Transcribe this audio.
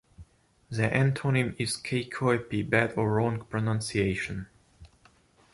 The antonym is "cacoepy" "bad or wrong pronunciation".